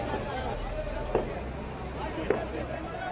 sekelompok kota yang berada di kota ahmedabad india